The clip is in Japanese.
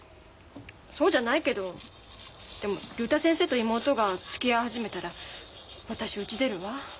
そうじゃないけどでも竜太先生と妹がつきあい始めたら私うち出るわ。